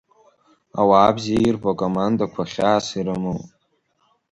Ауаа бзиа ирбо акомандақәа хьаас ирымоуп.